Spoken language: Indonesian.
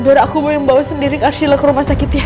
biar aku yang bawa sendiri arshila ke rumah sakit ya